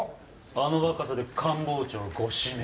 あの若さで官房長ご指名？